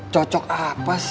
cocok apa sih